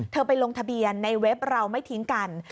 ไปลงทะเบียนในเว็บเราไม่ทิ้งกัน